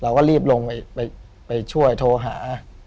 เราก็รีบลงไปช่วยโทรหา